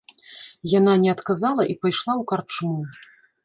Яна не адказала і пайшла ў карчму.